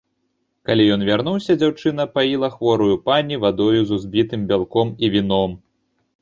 Калі ён вярнуўся, дзяўчына паіла хворую пані вадою з узбітым бялком і віном.